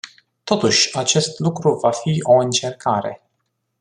Totuși, acest lucru va fi o încercare.